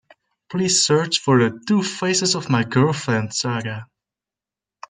Please search for the Two Faces of My Girlfriend saga.